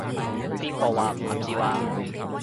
邊個話唔合照啊？